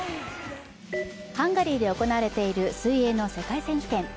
ハンガリーで行われている水泳の世界選手権。